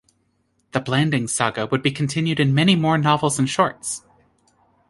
The Blandings saga would be continued in many more novels and shorts.